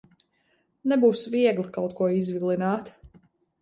Nebūs viegli kaut ko izvilināt.